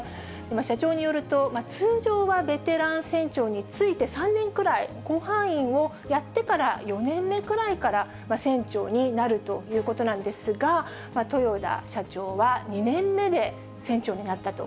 社長によると、通常はベテラン船長に付いて３年くらい、甲板員をやってから４年目くらいから船長になるということなんですが、豊田社長は２年目で船長になったと。